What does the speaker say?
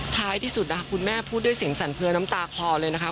ท้ายที่สุดนะคะคุณแม่พูดด้วยเสียงสั่นเพลือน้ำตาคลอเลยนะคะ